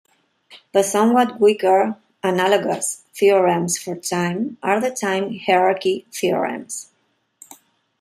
The somewhat weaker analogous theorems for time are the time hierarchy theorems.